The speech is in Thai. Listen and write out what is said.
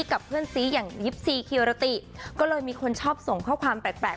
กับเพื่อนซีอย่างยิปซีคิวรติก็เลยมีคนชอบส่งข้อความแปลก